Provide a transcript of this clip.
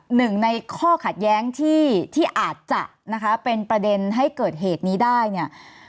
หนึ่งในข้อขัดแย้งที่อาจจะนะคะเป็นประเด็นให้เกิดเหตุนี้ได้เนี่ย